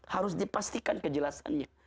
harus dipastikan kejelasannya